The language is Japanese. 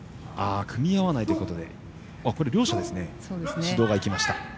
組み合わないということで両者に指導がいきました。